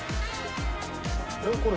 えっ？これ。